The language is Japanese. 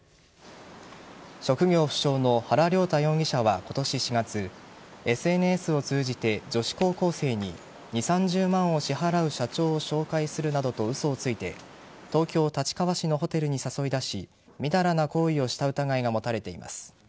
職業不詳の原亮太容疑者は今年４月ＳＮＳを通じて、女子高校生に２０３０万を支払う社長を紹介するなどと嘘をついて東京・立川市のホテルに誘い出しみだらな行為をした疑いが持たれています。